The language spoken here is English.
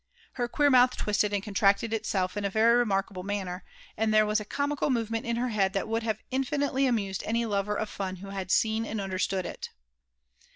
Her queer mouth twisted and con tracted itself in a. very remarkable manner, and there was a comical movement in her head that would have infinitely amused any lover of fun who had seen and understood it.